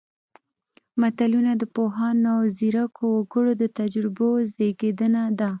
متلونه د پوهانو او ځیرکو وګړو د تجربو زېږنده ده